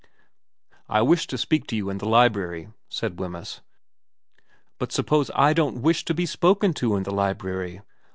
* I wish to speak to you in the library/ said Wemyss. ' But suppose I don't wish to be spoken to in the library